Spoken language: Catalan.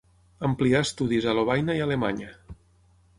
Amplià estudis a Lovaina i a Alemanya.